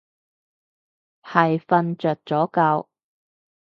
係瞓着咗覺